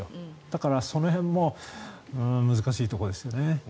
だから、その辺も難しいところですよね。